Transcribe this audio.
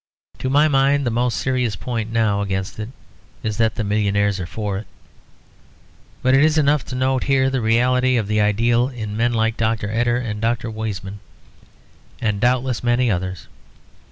To my mind the most serious point now against it is that the millionaires are for it. But it is enough to note here the reality of the ideal in men like Dr. Eder and Dr. Weizmann, and doubtless many others.